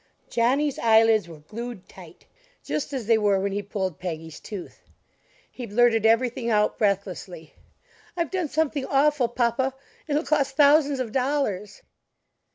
Johnny's eyelids were glued tight just as they were when he pulled Peggy's tooth he blurted everything out breathlessly: "I've done something awful, papa! It'll cost thousands of dollars."